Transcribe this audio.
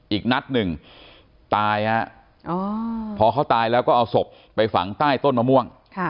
อีกนัดหนึ่งตายฮะพอเขาตายแล้วก็เอาศพไปฝังใต้ต้นมะม่วง